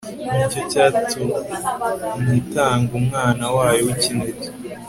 ni cyo cyatumyitang Umwana wayo wikinege